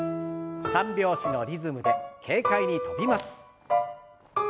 ３拍子のリズムで軽快に跳びます。